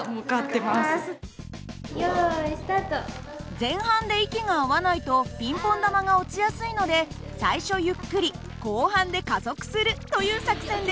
前半で息が合わないとピンポン玉が落ちやすいので最初ゆっくり後半で加速するという作戦です。